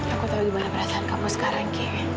aku tahu gimana perasaan kamu sekarang